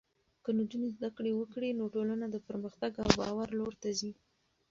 که نجونې زده کړه وکړي، نو ټولنه د پرمختګ او باور لور ته ځي.